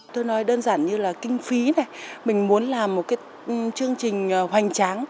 tôi nói đơn giản như là kinh phí này mình muốn làm một cái chương trình hoành tráng